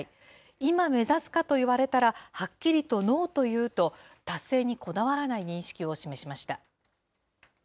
今目指すかと言われたら、はっきりとノーと言うと、達成にこだわらない認識を示しました。